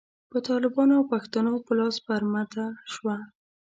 په طالبانو او پښتنو په لاس برمته شوه.